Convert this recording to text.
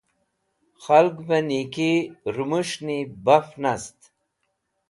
Khalgve Nieki Rumus̃hni Baf Nast